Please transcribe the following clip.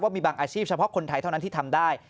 มีบางอาชีพเฉพาะคนไทยเท่านั้นที่ทำได้